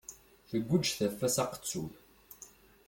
Tegguǧ taffa s aqettun.